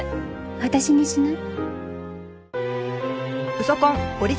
私にしない？